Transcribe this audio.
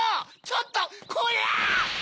ちょっとこら！